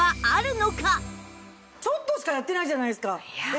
ちょっとしかやってないじゃないですか。